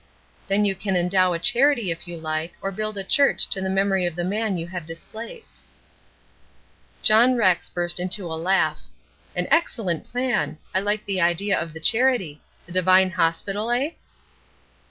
Then you can endow a charity if you like, or build a church to the memory of the man you have displaced." John Rex burst into a laugh. "An excellent plan. I like the idea of the charity the Devine Hospital, eh?"